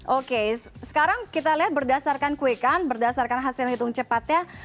oke sekarang kita lihat berdasarkan quick count berdasarkan hasil hitung cepatnya